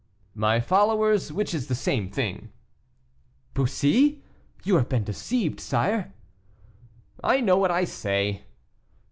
"My followers, which is the same thing." "Bussy! you have been deceived, sire." "I know what I say."